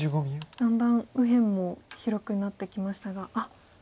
だんだん右辺も広くなってきましたが。